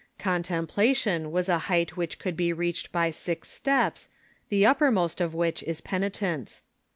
Contemplation was a height which could be reached by six steps, the uppermost of which is penitence.